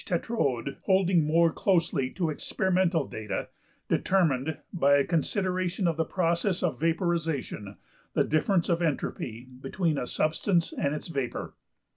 ~Tetrode, holding more closely to experimental data, determined, by a consideration of the process of vaporization, the difference of entropy between a substance and its vapour(29).